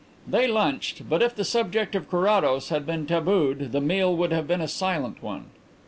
They lunched, but if the subject of Carrados had been tabooed the meal would have been a silent one.